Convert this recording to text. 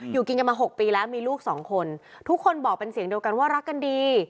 อยู่กินกันมา๖ปีแล้วมีลูกสองคนทุกคนบอกเป็นเสียงเดียวกันว่ารักกันดี